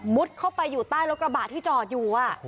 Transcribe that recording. เข้าไปอยู่ใต้รถกระบะที่จอดอยู่